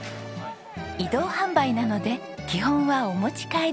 移動販売なので基本はお持ち帰りですが。